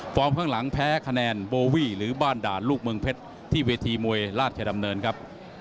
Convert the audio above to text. ข้างหลังแพ้คะแนนโบวี่หรือบ้านด่านลูกเมืองเพชรที่เวทีมวยราชดำเนินครับ